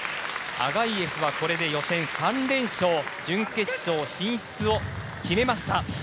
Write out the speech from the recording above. アガイェフはこれで予選３連勝準決勝進出を決めました。